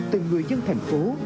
từng người dân thành phố